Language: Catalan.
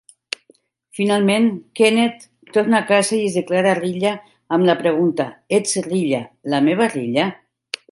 Finalment, Kenneth torna a casa i es declara a Rilla amb la pregunta: Ets Rilla, la "meva" Rilla?